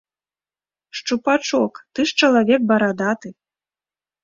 Шчупачок, ты ж чалавек барадаты.